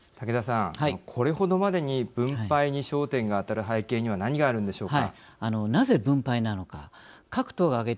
竹田さん、これほどまでに分配に焦点が当たる背景には何があるのでしょうか。